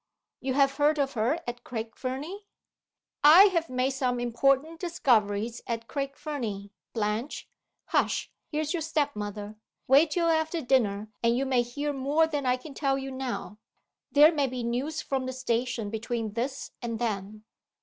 "You have heard of her at Craig Fernie?" "I have made some important discoveries at Craig Fernie, Blanche. Hush! here's your step mother. Wait till after dinner, and you may hear more than I can tell you now. There may be news from the station between this and then."